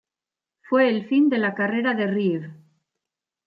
Fue el fin de la carrera de Reeve.